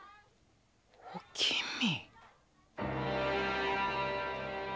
おきみ。